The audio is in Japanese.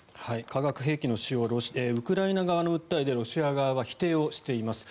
化学兵器の使用をウクライナ側の訴えでロシア側は否定をしています。